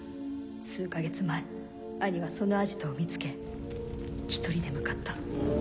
数か月前兄はそのアジトを見つけ１人で向かった。